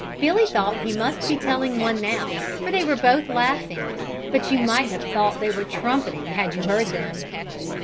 Billy thought he must be telling one now for they were both laughing, but you might have thought they were trumpeting had you heard them.